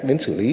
đến xử lý